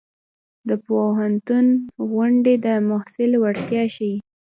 د پوهنتون غونډې د محصل وړتیا ښيي.